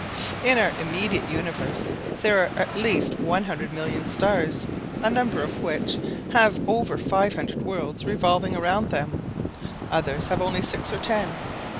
In our immediate universe there are at least one hundred million stars, a number of which have over five hundred worlds revolving around them; others have only six or ten.